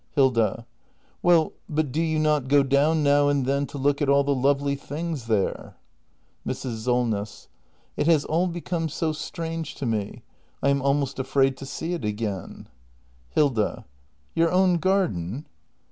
Hilda. Well, but do you not go down now and then to look at all the lovely things there ? Mrs. Solness. It has all become so strange to me. I am almost afraid Hilda. to see it again Your own garden!